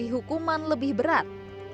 tapi hukuman lebih berat